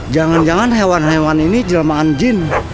jangan jangan hewan hewan ini jelmaan jin